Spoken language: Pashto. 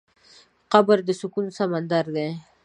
قبر د سکوت سمندر دی.